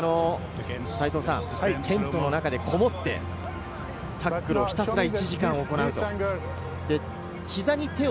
テントの中でこもって、タックルをひたすら１時間行う。